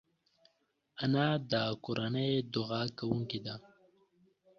انا د کورنۍ دعا کوونکې ده